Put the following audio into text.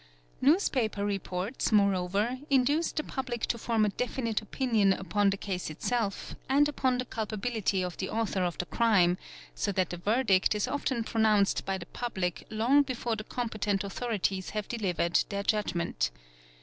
Newspaper reports, moreover, induce the public to form a definite © opinion upon the case itself and upon the culpability of the author of the — crime, so that the verdict is often pronounced by the public long before the competent authorities have delivered their judgment.